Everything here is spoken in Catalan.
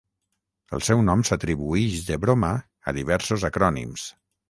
El seu nom s'atribuïx de broma a diversos acrònims.